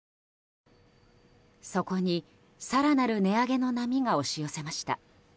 そこに、更なる値上げの波が押し寄せました。